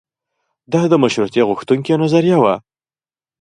دا د مشروطیه غوښتونکیو نظریه وه.